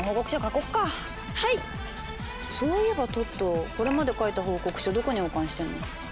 そういえばトットこれまで書いた報告書どこに保管してんの？